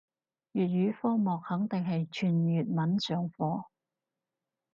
粵語科目肯定係全粵文上課